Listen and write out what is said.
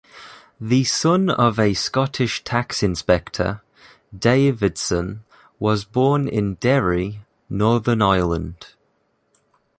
The son of a Scottish tax inspector, Davidson was born in Derry, Northern Ireland.